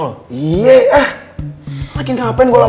ya saya akan tidur di toilet